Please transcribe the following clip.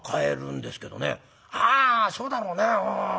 「ああそうだろうね。